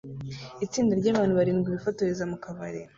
Itsinda ryabantu barindwi bifotoza mukabari